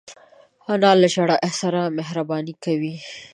انا له ژړا سره مهربانې کوي